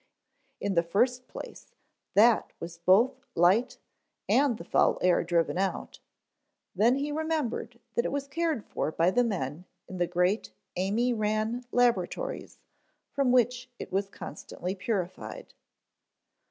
In the first place, that was both light and the foul air driven out, then he remembered that it was cared for by the men in the great Amy Ran Laboratories from which it was constantly purified.